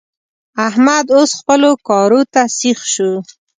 احمد اوس خپلو کارو ته سيخ شو.